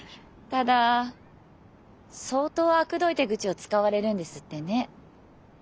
ただ相当あくどい手口を使われるんですってね。